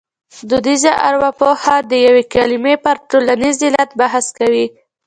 دودیزه ارپوهه د یوې کلمې پر ټولنیز علت بحث کوي